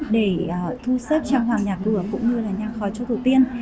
để thu xếp trang hoàng nhạc lửa cũng như là nhang khói cho thủ tiên